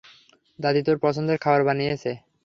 দাদী তোর পছন্দের খাবার বানিয়েছে!